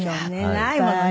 ないものね